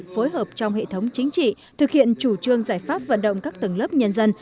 phối hợp trong hệ thống chính trị thực hiện chủ trương giải pháp vận động các tầng lớp nhân dân